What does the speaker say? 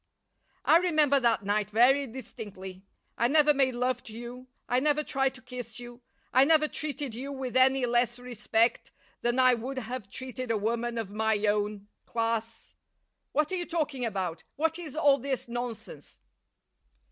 "I remember that night very distinctly. I never made love to you. I never tried to kiss you. I never treated you with any less respect than I would have treated a woman of my own class. What are you talking about? What is all this nonsense?"